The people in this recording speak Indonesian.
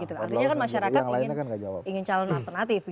empat puluh delapan gitu artinya kan masyarakat ingin calon alternatif